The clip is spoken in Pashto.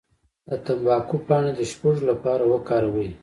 د تمباکو پاڼې د سپږو لپاره وکاروئ